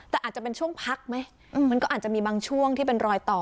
แต่อาจจะเป็นช่วงพักไหมมันก็อาจจะมีบางช่วงที่เป็นรอยต่อ